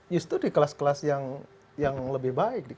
justru di kelas kelas yang lebih baik